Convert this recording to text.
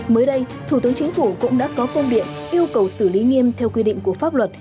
mới đây thủ tướng chính phủ cũng đã có công điện yêu cầu xử lý nghiêm theo quy định của pháp luật